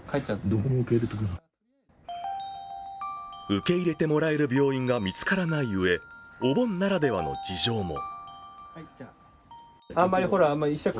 受け入れてもらえる病院が見つからないうえ、お盆ならではの事情も。